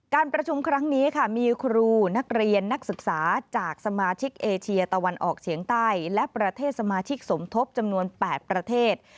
การประชุมครั้งนี้ค่ะมีครูนักเรียนนักศึกษาจากสมาชิกเอเชียตะวันออกเฉียงใต้และประเทศสมาชิกสมทบจำนวน๘ประเทศ